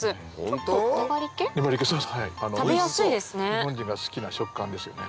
日本人が好きな食感ですよね。